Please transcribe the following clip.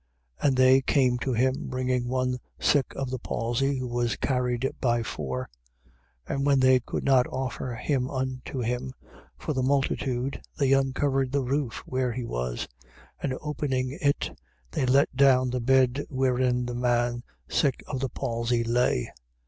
2:3. And they came to him, bringing one sick of the palsy, who was carried by four. 2:4. And when they could not offer him unto him for the multitude, they uncovered the roof where he was: and opening it, they let down the bed wherein the man sick of the palsy lay.